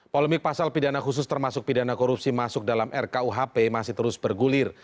polemik pasal pidana khusus termasuk pidana korupsi masuk dalam rkuhp masih terus bergulir